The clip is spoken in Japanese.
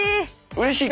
うれしい！